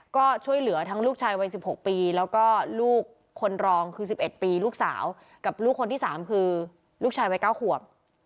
ก็ช่วยเหลือทั้งลูกชายวัย๑๖ปีแล้วก็ลูกคนรองคือ๑๑ปีลูกสาวกับลูกคนที่๓คือลูกชายวัย๙ขวบ